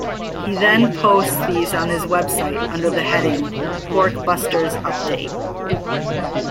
He then posts these on his website under the heading "Porkbusters Update".